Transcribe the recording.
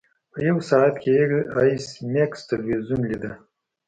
په یو ساعت کې ایس میکس تلویزیون لیده